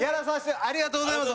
ありがとうございます。